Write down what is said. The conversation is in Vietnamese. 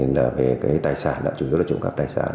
là về tài sản chủ yếu là trụng gặp tài sản